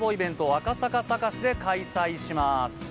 赤坂サカスで開催します。